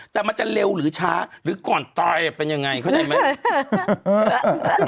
แต่มันจะเร็วหรือช้าหรือก่อนตายเป็นยังไงเข้าใจไหม